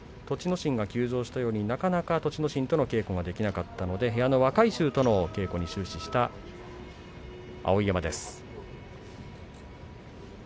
心が休場したようになかなか栃ノ心と稽古できなかったので同部屋の若い衆と稽古した碧山です。